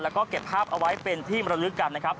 แล้วก็เก็บภาพเอาไว้เป็นที่มรลึกกันนะครับ